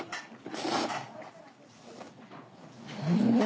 うん！